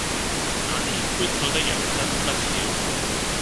那天觀看的人真不少